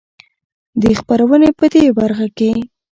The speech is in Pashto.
دې خپرونې په د برخه کې